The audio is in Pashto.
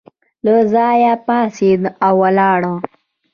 له ځایه پاڅېده او ولاړه.